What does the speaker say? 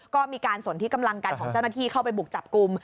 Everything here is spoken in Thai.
ก็มีการสนที่กำลังกันของเจ้าหน้าที่เข้าไปบุกจับกลุ่ม